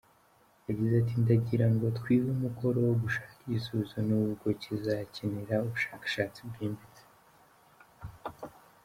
Yagize ati “Ndagira ngo twihe umukoro wo gushaka igisubizo n’ubwo kizakenera ubushakashatsi bwimbitse.